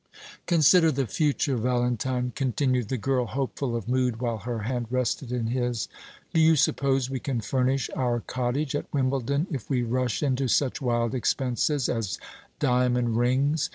"Consider the future, Valentine," continued the girl, hopeful of mood while her hand rested in his. "Do you suppose we can furnish our cottage at Wimbledon if we rush into such wild expenses as diamond rings?